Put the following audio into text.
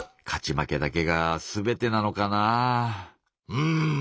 うん。